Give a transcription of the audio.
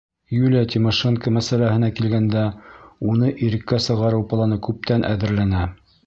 Юлия Тимошенко мәсьәләһенә килгәндә, уны иреккә сығарыу планы күптән әҙерләнә.